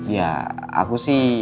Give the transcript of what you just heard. ya aku sih